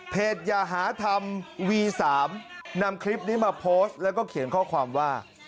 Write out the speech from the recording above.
อย่าหาธรรมวี๓นำคลิปนี้มาโพสต์แล้วก็เขียนข้อความว่า